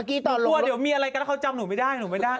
กลัวเดี๋ยวมาเนี่ยอะไรกันแล้วเค้าจำหนูไม่ได้